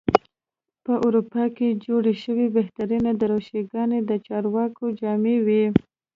په اروپا کې جوړې شوې بهترینې دریشي ګانې د چارواکو جامې وې.